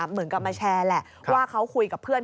เหมือนกับมาแชร์แหละว่าเขาคุยกับเพื่อน